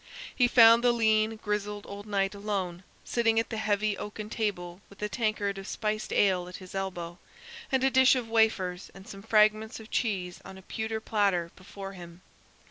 He found the lean, grizzled old knight alone, sitting at the heavy oaken table with a tankard of spiced ale at his elbow, and a dish of wafers and some fragments of cheese on a pewter platter before him.